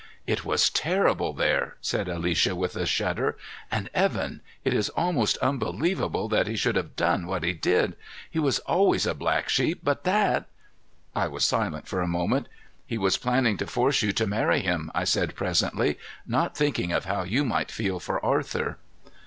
"It was terrible there," said Alicia with a shudder. "And Evan it is almost unbelievable that he should have done what he did. He was always a black sheep, but that " I was silent for a moment. "He was planning to force you to marry him," I said presently. "Not thinking of how you might feel for Arthur."